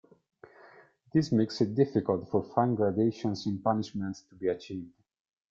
This makes it difficult for fine gradations in punishments to be achieved.